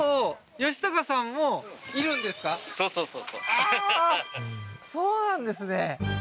ああーそうなんですね